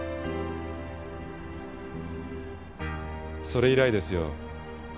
それ以来ですよ。